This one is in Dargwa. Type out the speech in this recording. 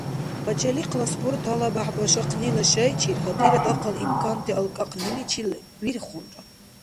Пачалихъли спорт гьалабяхӏ башахънила шайчир гьатӏира дахъал имканти алкӏахъниличи вирхулра.